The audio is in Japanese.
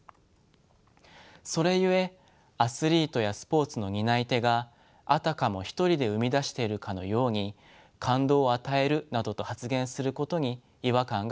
それゆえアスリートやスポーツの担い手があたかも一人で生み出しているかのように「感動を与える」などと発言することに違和感が生じるのでしょう。